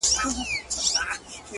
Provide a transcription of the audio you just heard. که هر څو ځله وازمایل شي